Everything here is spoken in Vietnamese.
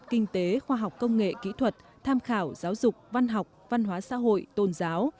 kinh tế khoa học công nghệ kỹ thuật tham khảo giáo dục văn học văn hóa xã hội tôn giáo